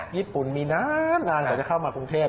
ญี่ปุ่นมีนานกว่าจะเข้ามากรุงเทพ